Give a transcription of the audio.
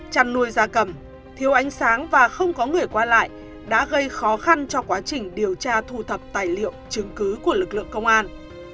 chăn nuôi da cầm thiếu ánh sáng và không có người qua lại đã gây khó khăn cho quá trình điều tra thu thập tài liệu chứng cứ của lực lượng công an